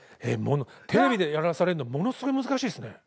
えっものテレビでやらされるのものすごい難しいですね。